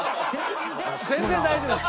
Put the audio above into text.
全然大丈夫です。